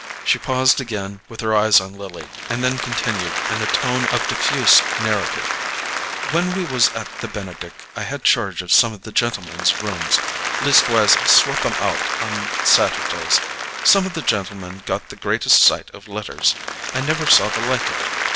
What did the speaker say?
She paused again, with her eyes on Lily, and then continued, in a tone of diffuse narrative: "When we was at the Benedick I had charge of some of the gentlemen's rooms; leastways, I swep' 'em out on Saturdays. Some of the gentlemen got the greatest sight of letters: I never saw the like of it.